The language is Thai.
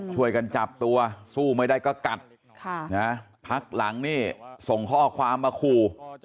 ช่วยกันจับตัวสู้ไม่ได้ก็กัดพักหลังนี่ส่งข้อความมาขู่